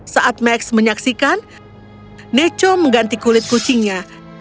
saat max menyaksikan neco mengganti kulit kucingnya